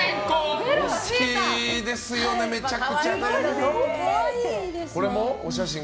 お好きですよね、めちゃくちゃ。